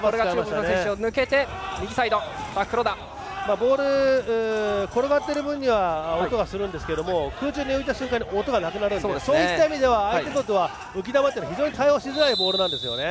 ボール転がっている分には音がするんですけれども空中に浮いた瞬間に音がなくなるのでそういった意味では相手にとっては浮き球って非常に対応しづらいボールなんですよね。